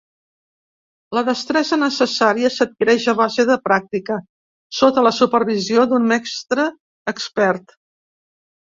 La destresa necessària s'adquireix a base de pràctica sota la supervisió d'un mestre expert.